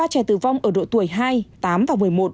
ba trẻ tử vong ở độ tuổi hai tám và một mươi một